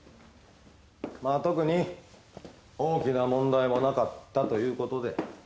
まあ特に大きな問題もなかったということで。